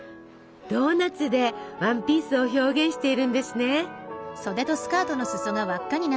ドーナツでワンピースを表現しているんですね。